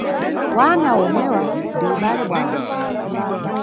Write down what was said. Wana omwewa ndi ubale bwawo.